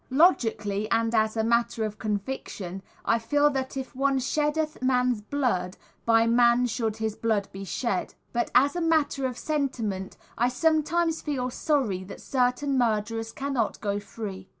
Logically, and as a matter of conviction, I feel that if one sheddeth man's blood, by man should his blood be shed; but as a matter of sentiment, I sometimes feel sorry that certain murderers can not go free.